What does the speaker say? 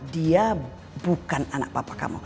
dia bukan anak papa kamu